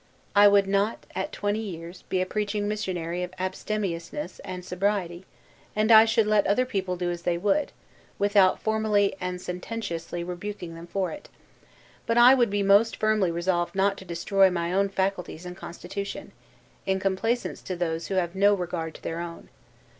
I would not, at twenty years, be a preaching missionary of abstemiousness and sobriety; and I should let other people do as they would, without formally and sententiously rebuking them for it; but I would be most firmly resolved not to destroy my own faculties and constitution; in complaisance to those who have no regard to their own.